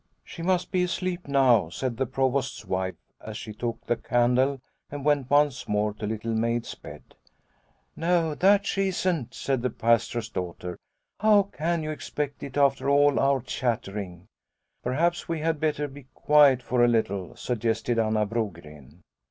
" She must be asleep by now," said the Provost's wife, as she took the candle and went once more to Little Maid's bed. "No, that she isn't," said the Pastor's daughter ;" how can you expect it after all our chattering ?' 3* Snow White 39 " Perhaps we had better be quiet for a little," suggested Anna Brogren.